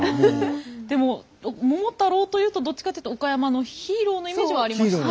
でも桃太郎というとどっちかというと岡山のヒーローのイメージはありましたよね。